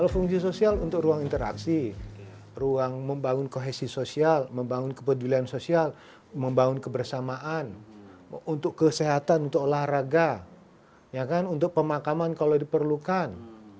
fungsi sosial untuk ruang interaksi ruang membangun kohesi sosial membangun kepedulian sosial membangun kebersamaan untuk kesehatan untuk olahraga untuk pemakaman kalau diperlukan